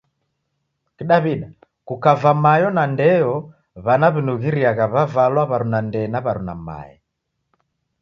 Kidaw'ida, kukava mayo na ndeyo w'ana w'inughiriagha w'avalwa w'aruna ndee na w'aruna mae.